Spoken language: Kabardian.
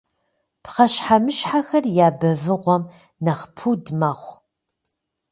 Пхъэщхьэмыщхьэхэр я бэвыгъуэм нэхъ пуд мэхъу.